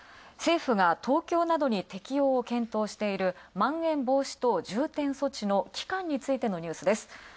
政府が東京などに適応を検討しているまん延防止等重点措置の期間についてのニュースです。